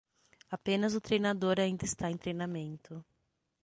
Apenas o treinador ainda está em treinamento